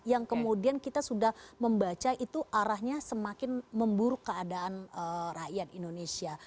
yang kemudian kita sudah membaca itu arahnya semakin memburuk keadaan rakyat indonesia